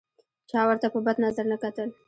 چا ورته په بد نظر نه کتل.